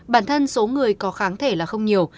bản thân số người có kháng thể là không nhiều